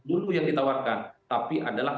dulu yang ditawarkan tapi adalah